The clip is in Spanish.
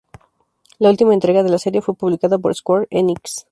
La última entrega de la serie fue publicada por Square Enix